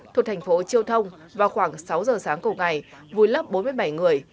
thuộc thành phố chiêu thông vào khoảng sáu giờ sáng cùng ngày vùi lấp bốn mươi bảy người